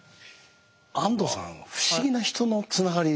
安藤さんは不思議な人のつながり。